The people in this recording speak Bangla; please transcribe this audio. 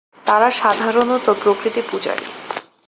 তারা সাধারণত প্রকৃতি পূজারী।